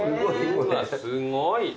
うわすごい。